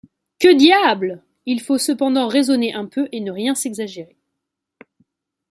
Que diable! il faut cependant raisonner un peu et ne rien s’exagérer.